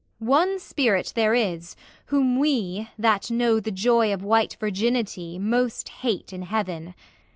One Spirit there is, whom we That know the joy of white virginity, Most hate in heaven.